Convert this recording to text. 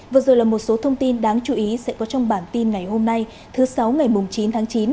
vừa rồi là một số thông tin đáng chú ý sẽ có trong bản tin ngày hôm nay thứ sáu ngày chín tháng chín